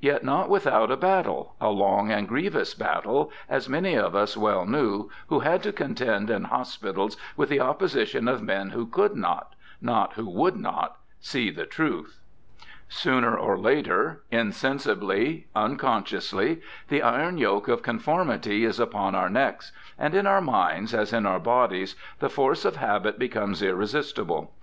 Yet not without a battle — a long and grievous battle, as many of us well knew who had to contend in hospitals with the opposition of men who could not — not who would not — see the truth. Sooner or later— insensibly, unconsciously — the iron yoke of conformity is upon our necks; and in our minds, as in our bodies, the force of habit becomes 300 BIOGRAPHICAL ESSAYS irresistible.